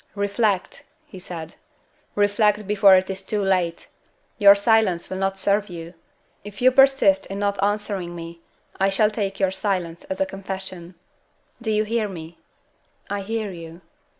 "Reflect," he said, "reflect before it is too late. Your silence will not serve you. If you persist in not answering me, I shall take your silence as a confession. Do you hear me?" "I hear you."